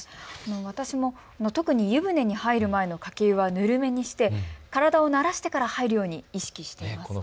私も特に湯船に入る前のかけ湯はぬるめにして体を慣らしてから入るように意識しています。